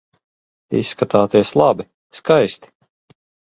Izskatāties labi, skaisti.